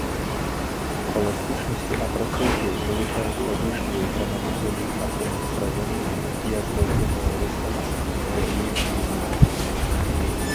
Пластычнасцю апрацоўкі вылучаюцца ліштвы прамавугольных аконных праёмаў і аздобленыя рустам вуглы будынку.